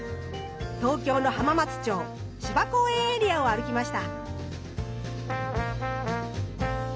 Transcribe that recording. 東京の浜松町・芝公園エリアを歩きました。